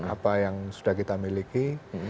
apa yang sudah kita miliki